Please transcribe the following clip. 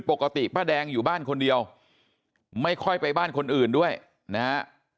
ปกติป้าแดงอยู่บ้านคนเดียวไม่ค่อยไปบ้านคนอื่นด้วยนะฮะ